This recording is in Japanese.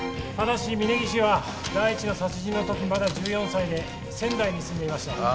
ただし峯岸は第一の殺人のときまだ１４歳で仙台に住んでいました